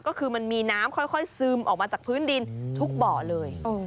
ก็คือมันมีน้ำค่อยซึมออกมาจากพื้นดินทุกบ่อเลย